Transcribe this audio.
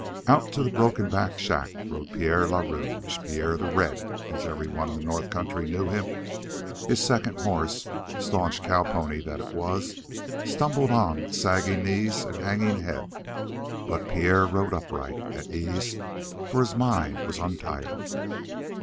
Out to the broken backed shack rode Pierre le Rouge, Pierre the Red, as everyone in the north country knew him. His second horse, staunch cow pony that it was, stumbled on with sagging knees and hanging head, but Pierre rode upright, at ease, for his mind was untired.